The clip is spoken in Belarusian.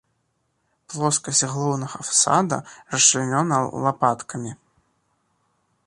Плоскасць галоўнага фасада расчлянёна лапаткамі.